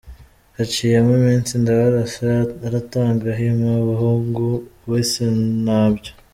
Haciyeho iminsi Ndabarasa aratanga, hima umuhungu we Sentabyo.